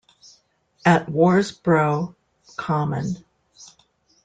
At Worsbrough Common.